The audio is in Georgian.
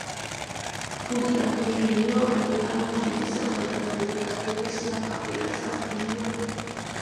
ბუტრაგენიო რეალ მადრიდის ახალგაზრდული აკადემიის, ლა ფაბრიკას აღზრდილია.